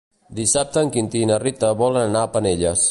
Dissabte en Quintí i na Rita volen anar a Penelles.